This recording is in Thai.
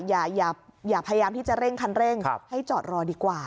อย่าพยายามที่จะเร่งคันเร่งให้จอดรอดีกว่า